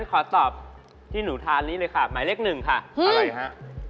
ขอตอบที่หนูทานนี้เลยค่ะหมายเลขหนึ่งค่ะอะไรฮะ